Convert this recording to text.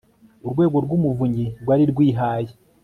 Urwego rw Umuvunyi rwari rwihaye